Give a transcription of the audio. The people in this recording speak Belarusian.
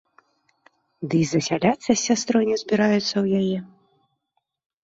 Ды і засяляцца з сястрой не збіраюцца ў яе.